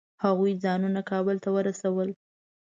هغوی ځانونه کابل ته ورسول.